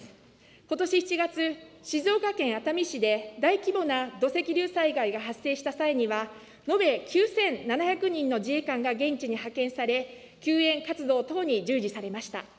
ことし７月、静岡県熱海市で大規模な土石流災害が発生した際には、延べ９７００人の自衛官が現地に派遣され、救援活動等に従事されました。